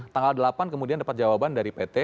tanggal delapan kemudian dapat jawaban dari pt